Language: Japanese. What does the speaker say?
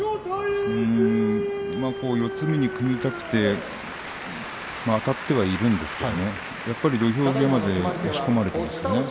四つに組みたくてあたってはいるんですがやはり土俵際まで押し込まれています。